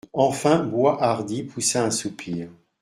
Enfin Boishardy poussa un soupir.